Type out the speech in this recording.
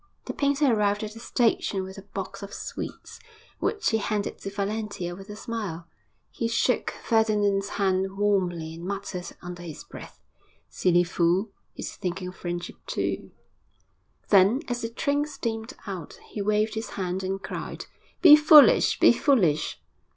The painter arrived at the station with a box of sweets, which he handed to Valentia with a smile. He shook Ferdinand's hand warmly and muttered under his breath, 'Silly fool! he's thinking of friendship, too!' Then, as the train steamed out, he waved his hand and cried, 'Be foolish! Be foolish!'